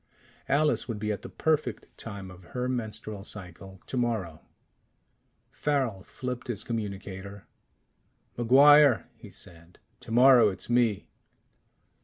Alice would be at the perfect time of her menstrual cycle tomorrow.... Farrel flipped his communicator. "MacGuire," he said. "Tomorrow it's me."